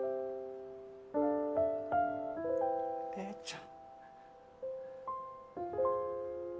麗ちゃん。